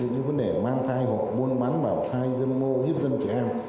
những vấn đề mang thai họ buôn bắn vào thai dân mô hiếp dân trẻ em